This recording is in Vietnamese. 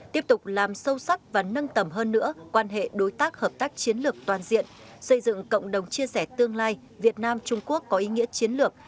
tiếp tục làm sâu sắc và nâng tầm hơn nữa quan hệ đối tác hợp tác chiến lược toàn diện xây dựng cộng đồng chia sẻ tương lai việt nam trung quốc có ý nghĩa chiến lược